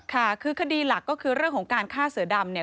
ค่ะคือคดีหลักก็คือเรื่องของการฆ่าเสือดำเนี่ย